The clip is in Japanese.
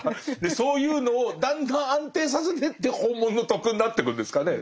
そういうのをだんだん安定させてって本物の「徳」になってくんですかね。